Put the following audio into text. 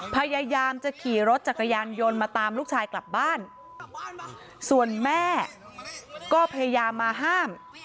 พยายามจะขี่รถจักรยานยนต์มาตามลูกชายกลับบ้านส่วนแม่ก็พยายามมาห้าม